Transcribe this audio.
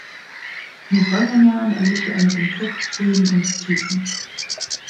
In den folgenden Jahren erlebte er mit dem Klub Höhen und Tiefen.